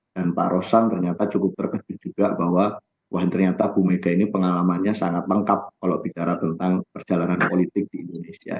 dan pak roslan ternyata cukup terkejut juga bahwa wah ternyata ibu megawati ini pengalamannya sangat lengkap kalau bicara tentang perjalanan politik di indonesia